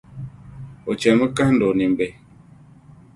O chanimi kahind’ o nimbihi.